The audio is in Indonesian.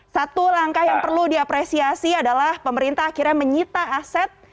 satu langkah yang perlu diapresiasi adalah pemerintah akhirnya menyita aset